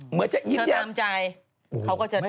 เหมือนจะยิ้มอย่างเธอตามใจ